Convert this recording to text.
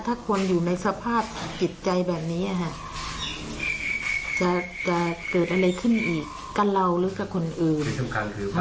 ถ้าคนอยู่ในสภาพจิตใจแบบนี้จะเกิดอะไรขึ้นอีกกับเราหรือกับคนอื่นที่สำคัญคือ